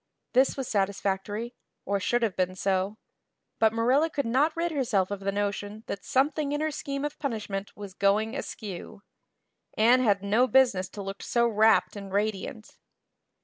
This was satisfactory or should have been so. But Marilla could not rid herself of the notion that something in her scheme of punishment was going askew. Anne had no business to look so rapt and radiant.